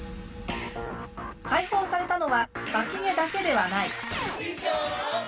解放されたのはワキ毛だけではない。